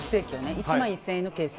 １万１０００円の計算。